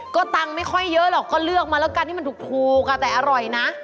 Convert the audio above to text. ก็ตังค์ไม่ค่อยเยอะหรอกก็เลือกมาแล้วกันที่มันถูกแต่อร่อยนะ